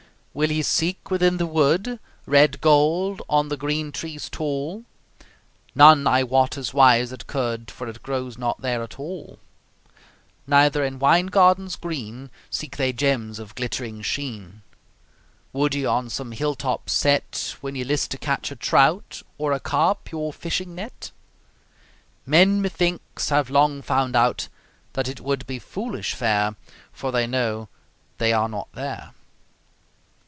Will ye seek within the wood Red gold on the green trees tall? None, I wot, is wise that could, For it grows not there at all: Neither in wine gardens green Seek they gems of glittering sheen. Would ye on some hill top set, When ye list to catch a trout, Or a carp, your fishing net? Men, methinks, have long found out That it would be foolish fare, For they know they are not there.